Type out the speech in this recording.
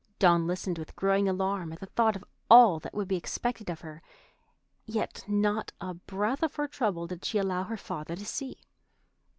Dawn listened with growing alarm at the thought of all that would be expected of her. Yet not a breath of her trouble did she allow her father to see.